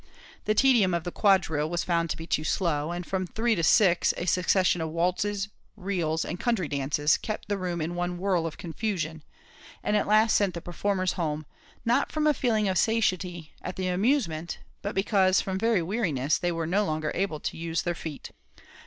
The tedium of the quadrille was found to be too slow, and from three till six a succession of waltzes, reels, and country dances, kept the room in one whirl of confusion, and at last sent the performers home, not from a feeling of satiety at the amusement, but because, from very weariness, they were no longer able to use their feet.